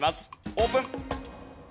オープン！